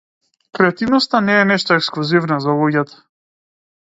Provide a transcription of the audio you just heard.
Креативноста не е нешто ексклузивно за луѓето.